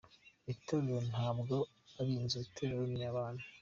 Itorero ntabwo ari inzu, itorero ni abantu.